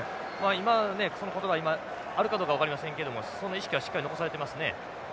今ねその言葉が今あるかどうか分かりませんけどもその意識はしっかり残されてますね。